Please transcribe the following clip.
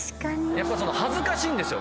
やっぱり恥ずかしいんですよ。